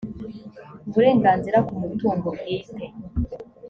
uburenganzira ku mutungo bwite